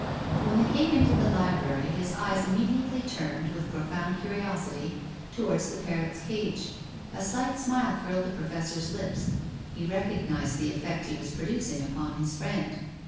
When they came into the library his eyes immediately turned, with profound curiosity, towards the parrot's cage. A slight smile curled the Professor's lips. He recognised the effect he was producing upon his friend.